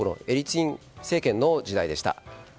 エリツィン政権の時代でした。